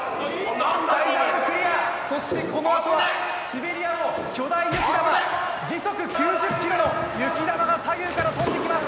そして、このあとはシベリアの巨大雪玉時速９０キロの雪玉が左右から飛んできます。